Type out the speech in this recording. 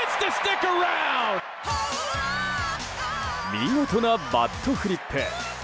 見事なバットフリップ！